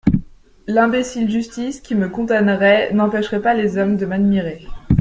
L’imbécile justice, qui me condamnerait, n’empêcherait pas les hommes de m’admirer.